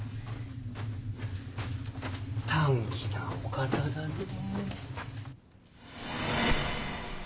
短気なお方だねえ。